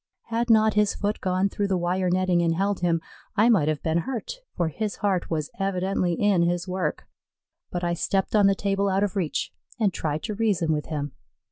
Had not his foot gone through the wire netting and held him, I might have been hurt, for his heart was evidently in his work; but I stepped on the table out of reach and tried to reason with him.